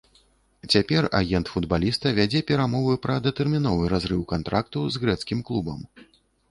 Цяпер агент футбаліста вядзе перамовы пра датэрміновы разрыў кантракту з грэцкім клубам.